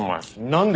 何で？